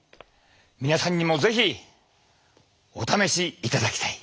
皆さんにも是非お試しいただきたい。